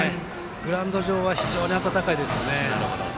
グラウンド上は非常に暖かいですよね。